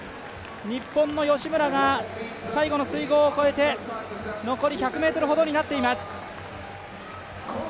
日本の吉村が最後の水濠を越えて残り１００ｍほどになっています。